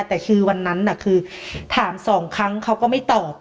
แต่คือวันนั้นคือถามสองครั้งเขาก็ไม่ตอบ